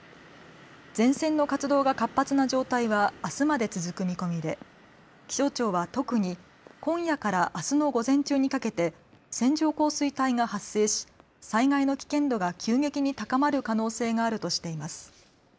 前線の活動が活発な状態は明日まで続く見込みで気象庁は特に今夜から明日の午前中にかけて線状降水帯が発生し災害の危険度が急激に高まる可能性があるとしています。